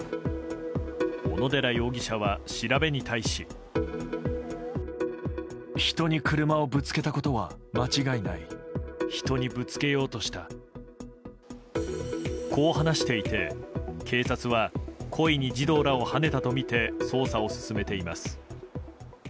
小野寺容疑者は調べに対し。こう話していて、警察は故意に児童らをはねたとみて捜査を進めています。